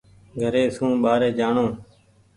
گھري سون ٻآري جآڻو۔